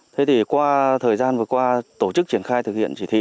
thế thì qua thời gian vừa qua tổ chức triển khai thực hiện chỉ thị